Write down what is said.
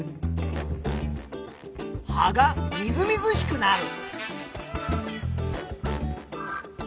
葉がみずみずしくなる。